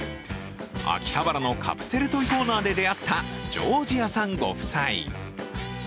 秋葉原のカプセルトイコーナーで出会ったジョージアさんご夫妻。